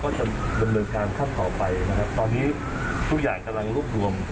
เราก็จะดำเนินการคัดต่อไปนะครับตอนนี้ทุกอย่างกำลังรวบรวม